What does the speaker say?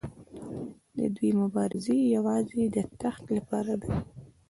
د دوی مبارزه یوازې د تخت لپاره ده.